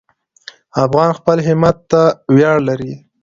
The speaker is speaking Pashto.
افغان خپل همت ته ویاړ لري.